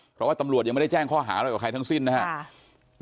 เพราะว่าตำรวจยังไม่ได้แจ้งข้อหาอะไรกับใครทั้งสิ้นนะครับ